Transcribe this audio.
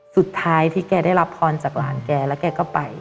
สุดท้ายที่แกได้รับพรจากหลานแกแล้วแกก็ไป